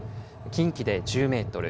近畿で１０メートル